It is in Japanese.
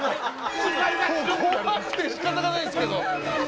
もう怖くて仕方がないですけど。